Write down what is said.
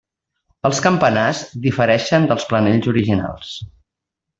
Els campanars difereixen dels planells originals.